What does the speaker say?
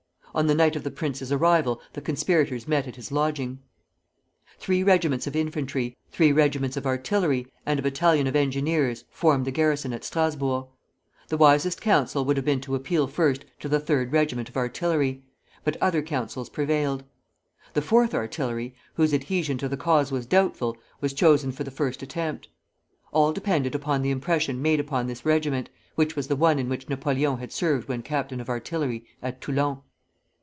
On the night of the prince's arrival the conspirators met at his lodging. Three regiments of infantry, three regiments of artillery, and a battalion of engineers formed the garrison at Strasburg. The wisest course would have been to appeal first to the third regiment of artillery; but other counsels prevailed. The fourth artillery, whose adhesion to the cause was doubtful, was chosen for the first attempt. All depended upon the impression made upon this regiment, which was the one in which Napoleon had served when captain of artillery at Toulon.